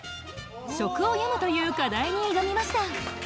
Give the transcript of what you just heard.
「食を詠む」という課題に挑みました。